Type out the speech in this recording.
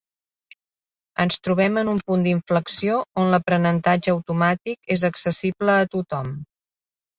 Ens trobem en un punt d'inflexió on l'aprenentatge automàtic és accessible a tothom.